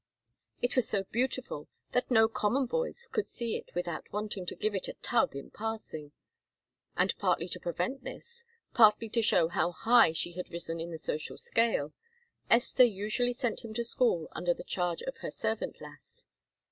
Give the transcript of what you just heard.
It was so beautiful that no common boys could see it without wanting to give it a tug in passing, and partly to prevent this, partly to show how high she had risen in the social scale, Esther usually sent him to school under the charge of her servant lass.